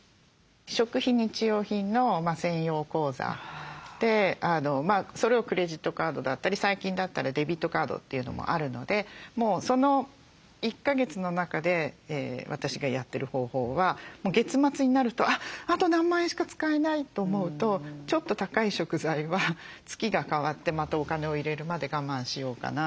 食費日用品の専用口座でそれをクレジットカードだったり最近だったらデビットカードというのもあるので１か月の中で私がやってる方法は月末になると「あと何万円しか使えない」と思うとちょっと高い食材は月が替わってまたお金を入れるまで我慢しようかなとか。